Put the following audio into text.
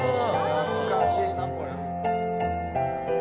「懐かしいなこれ」